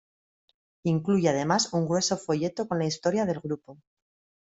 Incluye además un grueso folleto con la historia del grupo.